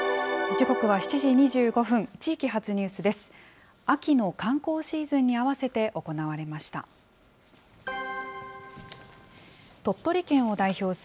時刻は７時２５分、地域発ニュースです。